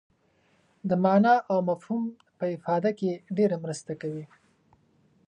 د معنا او مفهوم په افاده کې ډېره مرسته کوي.